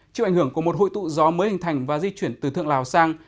chịu ảnh hưởng của một hội tụ gió mới hình thành và di chuyển từ thượng lào sang